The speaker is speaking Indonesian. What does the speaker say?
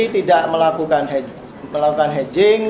tidak melakukan hedge melakukan hedging